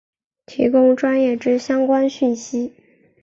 提供专业之相关讯息